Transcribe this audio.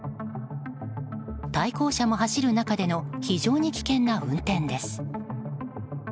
対向車も走る中での非常に危険な運転です。